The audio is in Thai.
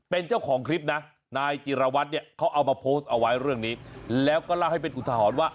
เป็นเจ้าของคลิปนะนายจิรวัตรเนี่ยเขาเอามาโพสต์เอาไว้เรื่องนี้แล้วก็เล่าให้เป็นอุทหรณ์ว่า